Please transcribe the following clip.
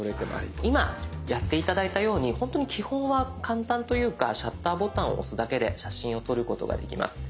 今やって頂いたように本当に基本は簡単というかシャッターボタンを押すだけで写真を撮ることができます。